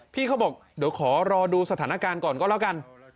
พี่เขาบอกเดี๋ยวขอรอดูสถานการณ์ก่อนก็แล้วกัน